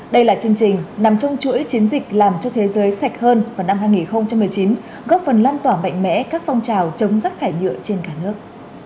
đây là chương trình nằm trong chuỗi chiến dịch làm cho thế giới sạch hơn vào năm hai nghìn một mươi chín góp phần lan tỏa mạnh mẽ các phong trào chống rác thải nhựa trên cả nước